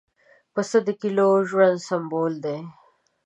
پسه د کلیو ژوند سمبول دی.